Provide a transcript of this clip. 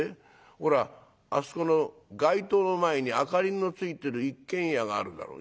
「ほらあそこの街灯の前に明かりのついてる一軒家があるだろ」。